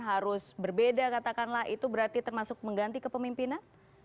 harus berbeda katakanlah itu berarti termasuk mengganti ke pemimpinan